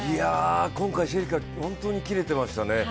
今回、シェリカ本当にきれてましたね。